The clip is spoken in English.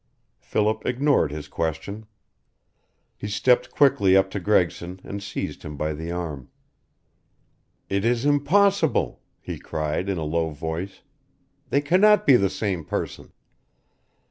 Philip ignored his question. He stepped quickly up to Gregson and seized him by the arm. "It is impossible!" he cried, in a low voice. "They cannot be the same person.